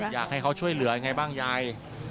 อยากให้เขาช่วยเหลือยังไงบ้างยาย